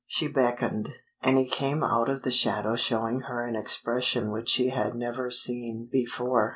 She beckoned, and he came out of the shadow showing her an expression which she had never seen before.